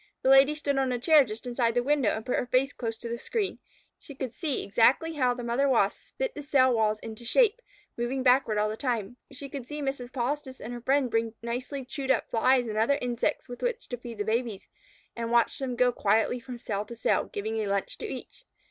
The Lady stood on a chair just inside the window, and put her face close to the screen. She could see exactly how the mother Wasps bit the cell walls into shape, moving backward all the time. She could see Mrs. Polistes and her friend bring nicely chewed up Flies and other insects with which to feed the babies, and watched them go quietly from cell to cell, giving a lunch to each.